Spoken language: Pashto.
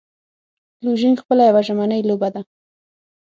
لوژینګ خپله یوه ژمنی لوبه ده.